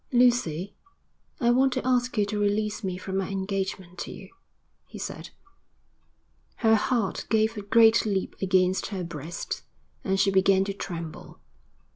'Lucy, I want to ask you to release me from my engagement to you,' he said. Her heart gave a great leap against her breast, and she began to tremble.